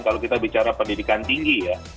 kalau kita bicara pendidikan tinggi ya